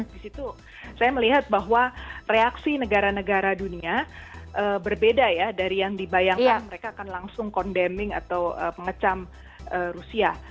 di situ saya melihat bahwa reaksi negara negara dunia berbeda ya dari yang dibayangkan mereka akan langsung condeming atau pengecam rusia